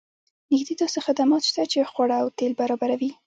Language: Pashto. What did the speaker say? نږدې داسې خدمات شته چې خواړه او تیل برابروي